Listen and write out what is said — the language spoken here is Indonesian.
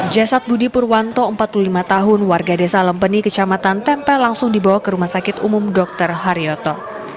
jasad budi purwanto empat puluh lima tahun warga desa lempeni kecamatan tempe langsung dibawa ke rumah sakit umum dr haryoto